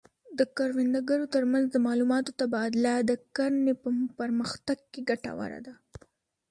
د کروندګرو ترمنځ د معلوماتو تبادله د کرنې په پرمختګ کې ګټوره ده.